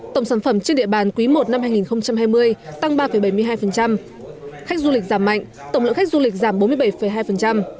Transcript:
tổng sản phẩm trên địa bàn quý i năm hai nghìn hai mươi tăng ba bảy mươi hai khách du lịch giảm mạnh tổng lượng khách du lịch giảm bốn mươi bảy hai